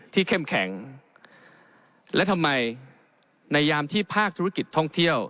เข้มแข็งและทำไมในยามที่ภาคธุรกิจท่องเที่ยว